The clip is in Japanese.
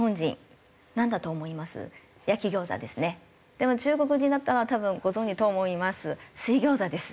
でも中国人だったら多分ご存じと思います水餃子です。